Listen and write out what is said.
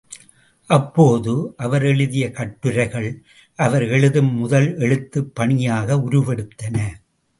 அப்போது அவர் எழுதிய கட்டுரைகள், அவர் எழுதும் முதல் எழுத்துப் பணியாக உருவெடுத்தன.